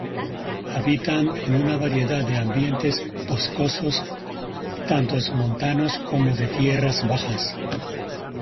Habitan en una variedad de ambientes boscosos, tanto montanos como de tierras bajas.